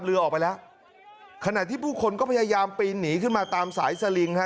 เรือออกไปแล้วขณะที่ผู้คนก็พยายามปีนหนีขึ้นมาตามสายสลิงฮะ